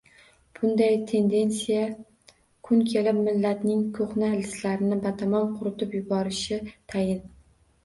Bunday tendensiya kun kelib millatning ko`hna ildizlarini batamom quritib yuborishi tayin